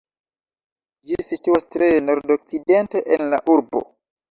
Ĝi situas tre nordokcidente en la urbo.